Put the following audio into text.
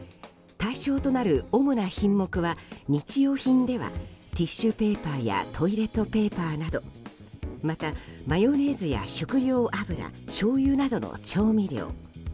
対象となる主な品目は日用品ではティッシュペーパーやトイレットペーパーなどまたマヨネーズや食用油しょうゆなどの調味料。